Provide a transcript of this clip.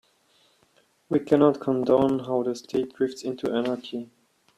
We cannot condone how the state drifts into anarchy.